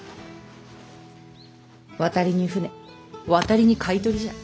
渡りに船渡りにかいとりじゃ。